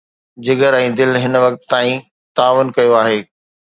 جگر ۽ دل هن وقت تائين تعاون ڪيو آهي.